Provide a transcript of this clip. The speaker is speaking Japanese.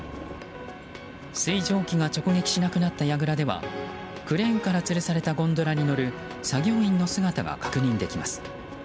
水蒸気が直撃しなくなったやぐらではクレーンからつるされたゴンドラに乗る作業員の姿が確認できます。